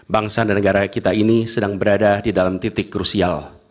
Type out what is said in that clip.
bangsa dan negara kita ini sedang berada di dalam titik krusial